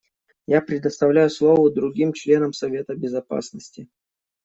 Я предоставляю слово другим членам Совета Безопасности.